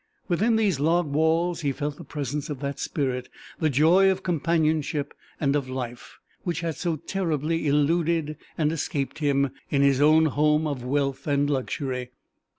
Within these log walls he felt the presence of that spirit the joy of companionship and of life which had so terribly eluded and escaped him in his own home of wealth and luxury.